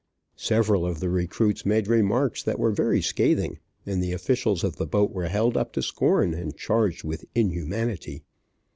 Several of the recruits made remarks that were very scathing, and the officials of the boat were held up to scorn, and charged with inhumanity.